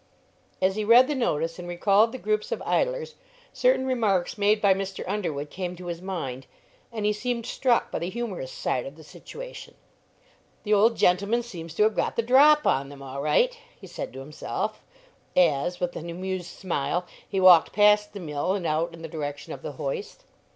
As he read the notice and recalled the groups of idlers, certain remarks made by Mr. Underwood came to his mind, and he seemed struck by the humorous side of the situation. "The old gentleman seems to have got the 'drop' on them, all right!" he said to himself, as, with an amused smile, he walked past the mill and out in the direction of the hoist.